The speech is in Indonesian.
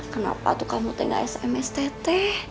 kenapa tuh kamu tinggal smstt